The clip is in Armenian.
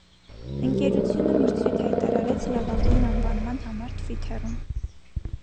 Ընկերությունը մրցույթ հայտարարեց լավագույն անվանման համար թվիթերում։